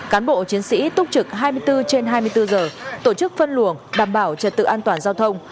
cán bộ chiến sĩ túc trực hai mươi bốn trên hai mươi bốn giờ tổ chức phân luồng đảm bảo trật tự an toàn giao thông